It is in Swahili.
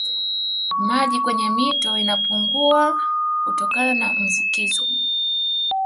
Maji kwenye mito inapungua kutokana na mvukizo